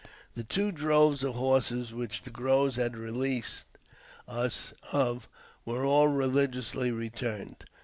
■ The two droves of horses which the Crows had released us ^ of were all religiously returned.